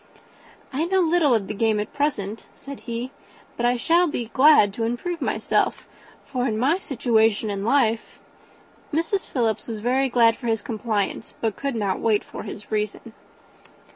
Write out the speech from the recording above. "I know little of the game at present," said he, "but I shall be glad to improve myself; for in my situation of life " Mrs. Philips was very thankful for his compliance, but could not wait for his reason.